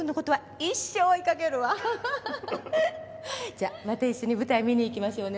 じゃあまた一緒に舞台見に行きましょうね。